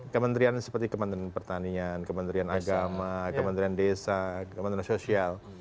kementerian seperti kementerian pertanian kementerian agama kementerian desa kementerian sosial